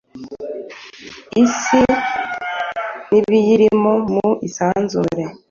Isi n’ibiyirimo mu isanzure